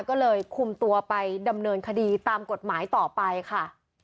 ก็เลยคุมตัวไปดำเนินคดีตามกฎหมายต่อไปค่ะ